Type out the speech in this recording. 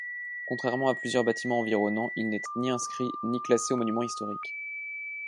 Contrairement à plusieurs bâtiments environnants, il n'est ni inscrit, ni classé aux monuments historiques.